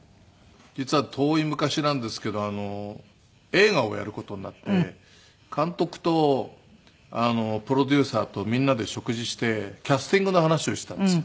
実は遠い昔なんですけど映画をやる事になって監督とプロデューサーとみんなで食事してキャスティングの話をしたんですよ。